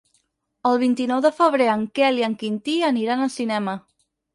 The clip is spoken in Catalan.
El vint-i-nou de febrer en Quel i en Quintí aniran al cinema.